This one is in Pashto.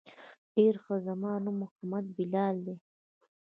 ډېر ښه زما نوم محمد بلال ديه.